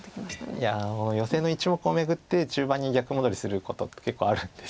いやもうヨセの１目を巡って中盤に逆戻りすることって結構あるんです。